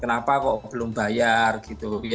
kenapa kok belum bayar kenapa kok belum bayar